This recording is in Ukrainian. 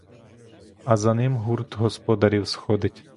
А за ними гурт господарів сходить.